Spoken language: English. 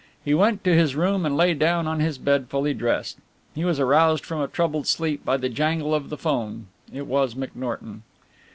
He went to his room and lay down on his bed fully dressed. He was aroused from a troubled sleep by the jangle of the 'phone. It was McNorton.